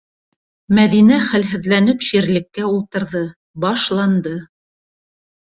Мәҙинә, хәлһеҙләнеп, ширлеккә ултырҙы: «Башланды!»